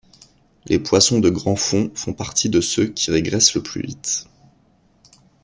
Les poissons de grands fonds font partie de ceux qui régressent le plus vite.